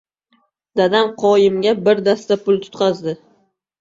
Dadam qoiimga bir dasta pul tutqazdi.